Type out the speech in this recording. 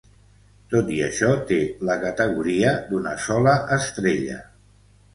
Tot i això, té la categoria d'una sola estrella.